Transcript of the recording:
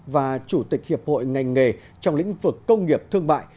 và chủ tịch hiệp hội ngành nghề trong lĩnh vực công nghiệp thương mại